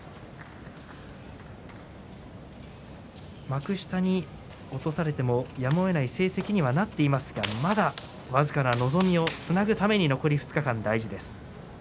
幕下に落とされてもやむをえない成績となっていますがまだ僅かな望みをつなぐために残り２日間です。